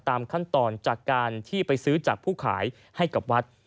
ตามขั้นตอนจากการที่ไปซื้อจากผู้ขายให้กับวัด